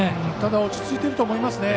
ただ、落ち着いていると思います。